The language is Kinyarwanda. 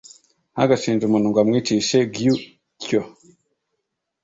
ntagashinje umuntu ngo amwicishe gyutyo.